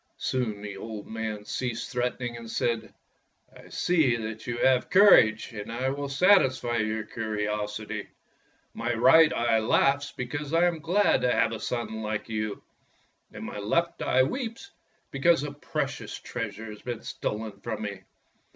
Soon the old man ceased threatening and said: ''I see that you have courage, and I will satisfy your curiosity. My right eye laughs because I am glad to have a son like you, and my left eye weeps because a precious treasure has been stolen from me.